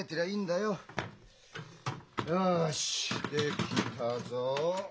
よしできたぞ！